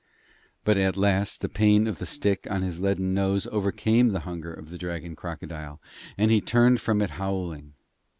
But at last the pain of the stick on his leaden nose overcame the hunger of the dragon crocodile, and he turned from it howling.